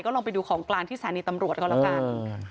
ลองไปดูของกลางที่สถานีตำรวจก็แล้วกัน